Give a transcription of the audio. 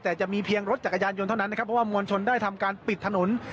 แต่จะมีเพียงรถจักรยานยนต์เท่านั้นนะครับเพราะว่ามวลชนได้ทำการปิดถนน